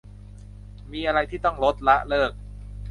อะไรที่ต้องลด ละ เลิก